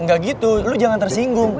enggak gitu lo jangan tersinggung gue